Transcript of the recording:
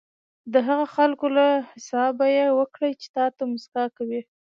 د هغه خلکو له حسابه یې وکړئ چې تاته موسکا کوي.